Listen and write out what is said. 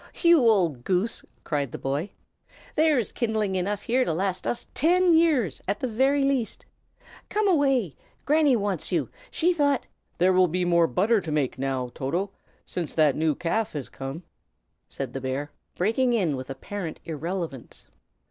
"You old goose!" cried the boy. "There's kindling wood enough here to last us ten years, at the very least. Come away! Granny wants you. She thought " "There will be more butter to make, now, Toto, since that new calf has come," said the bear, breaking in with apparent irrelevance.